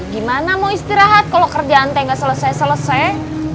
gimana mau istirahat kalau kerjaan teh nggak selesai selesai